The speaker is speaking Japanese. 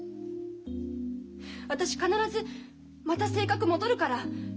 私必ずまた性格戻るから。